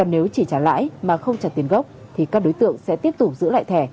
nếu chỉ trả lãi mà không trả tiền gốc thì các đối tượng sẽ tiếp tục giữ lại thẻ